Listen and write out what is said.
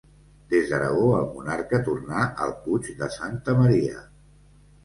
Des d'Aragó, el monarca tornà al Puig de Santa Maria.